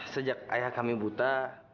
sejak ayah kami buta